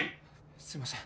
すいません。